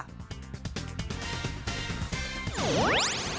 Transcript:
กันด้วยค่ะ